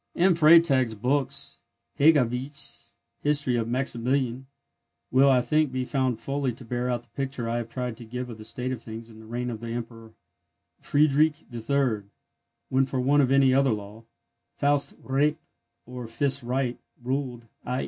M. Freytag's books, and Hegewisch's History of Maximilian, will, I think, be found fully to bear out the picture I have tried to give of the state of things in the reign of the Emperor Friedrich III., when, for want of any other law, Faust recht, or fist right, ruled; _i.